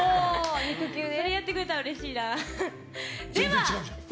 それやってくれたらうれしいな。